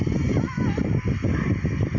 โอ้โหเป็นเกิดขึ้นกันก่อนค่ะ